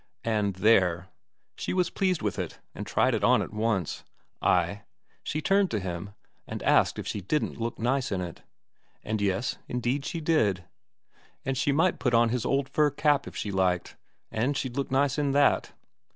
And there! she was pleased with it, and tried it on at once ay, she turned to him and asked if she didn't look nice in it. And yes, indeed she did; and she might put on his old fur cap if she liked, and she'd look nice in that!